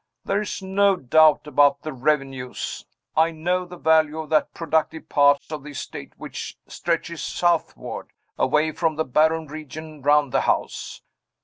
There is no doubt about the revenues. I know the value of that productive part of the estate which stretches southward, away from the barren region round the house.